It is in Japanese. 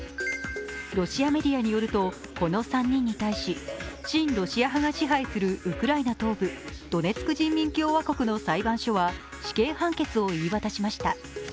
ロシアメディアによるとこの３人に対し親ロシア派が支配するウクライナ東部、ドネツク人民共和国の裁判所は、死刑判決を言い渡しました。